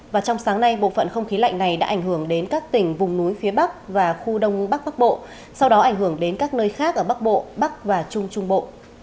và trong sáng nay bộ phận không khí lạnh này đã ảnh hưởng đến các tỉnh vùng núi phía bắc và khu đông bắc bắc bộ sau đó ảnh hưởng đến các nơi khác ở bắc bộ bắc và trung trung bộ